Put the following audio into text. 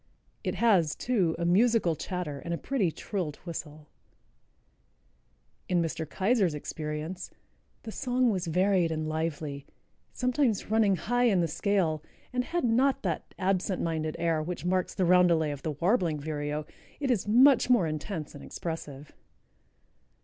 It has, too, a musical chatter and a pretty trilled whistle. In Mr. Keyser's experience "the song was varied and lively, sometimes running high in the scale, and had not that absent minded air which marks the roundelay of the warbling vireo. It is much more intense and expressive."